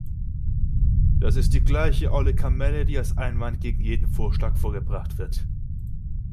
Das ist die gleiche olle Kamelle, die als Einwand gegen jeden Vorschlag vorgebracht wird.